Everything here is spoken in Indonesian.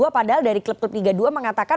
padahal dari klub klub liga dua mengatakan